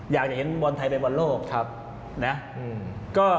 อยากจะเห็นวงการไทยของบอลโลก